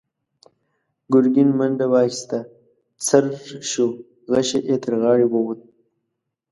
ګرګين منډه واخيسته، څررر شو، غشۍ يې تر غاړې ووت.